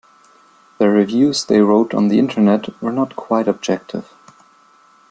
The reviews they wrote on the Internet were not quite objective.